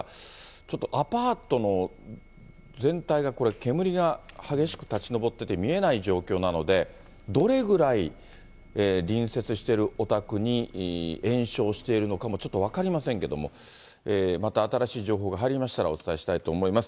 ちょっとアパートの全体が、これ、煙が激しく立ち上っていて、見えない状況なので、どれぐらい隣接してるお宅に延焼しているのかもちょっと分かりませんけど、また新しい情報が入りましたらお伝えしたいと思います。